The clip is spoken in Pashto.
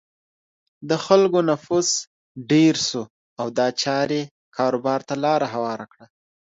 د خلکو نفوس ډېر شو او دا چارې کاروبار ته لاره هواره کړه.